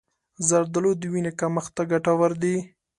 زردآلو د وینې کمښت ته ګټور دي.